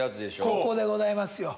そこでございますよ。